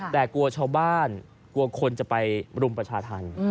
แต่กลัวชาวบ้านกลัวคนจะไปรุมประชาธรรม